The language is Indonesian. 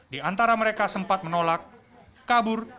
di antara mereka sempat menolak kabur